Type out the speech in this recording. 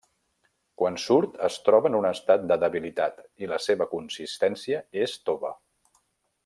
Quan surt es troba en un estat de debilitat i la seva consistència és tova.